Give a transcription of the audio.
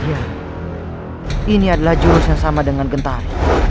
ya ini adalah jurus yang sama dengan gentar